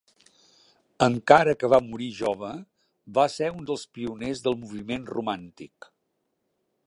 Encara que va morir jove, va ser un dels pioners del moviment romàntic.